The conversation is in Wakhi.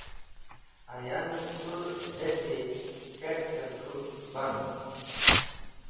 Ayavev kũ zeti, kertev kũ band.